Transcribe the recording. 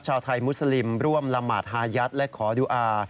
ชาวไทยมุสลิมร่วมละหมาดฮายัดและขอดูอา